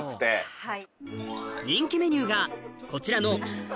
はい。